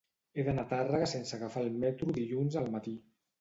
He d'anar a Tàrrega sense agafar el metro dilluns al matí.